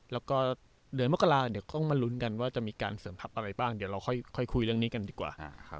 แล้วก็เดือนมกราเดี๋ยวก็มาลุ้นกันว่าจะมีการเสริมทัพอะไรบ้างเดี๋ยวเราค่อยคุยเรื่องนี้กันดีกว่า